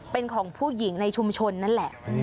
เป็นของผู้หญิงในชุมชนนั่นแหละ